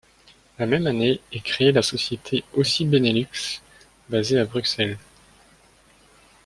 La même année est créée la société Ausy Benelux, basée à Bruxelles.